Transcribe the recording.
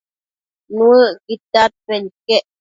Nuëcquid dadpen iquec